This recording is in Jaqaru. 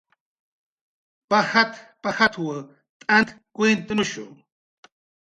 "Pajat"" pajat""w t'ant kuytnushu"